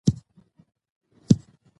او دا ایماني او وجداني مسؤلیت